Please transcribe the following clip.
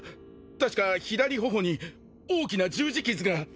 確か左頬に大きな十字傷が！